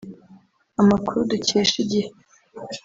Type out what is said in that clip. Amakuru dukesha Igihe